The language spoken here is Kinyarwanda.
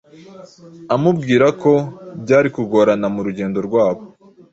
amubwira ko "byari kugorana mu rugendo rwabo